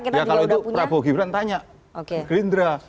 ya kalau itu prabowo gibran tanya ke gerindra